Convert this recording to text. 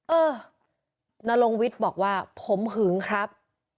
เออนรงวิทย์บอกว่าผมหึงครับ